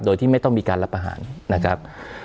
โดยที่ไม่ต้องมีการรับอาหารนะครับ